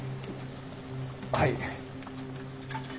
はい。